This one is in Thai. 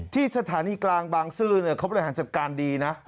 ที่สถานีกลางบางซื่อเขาบริหารจัดการดีนะ